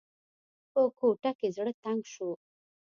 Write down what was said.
په کوټه کې زړه تنګ شو.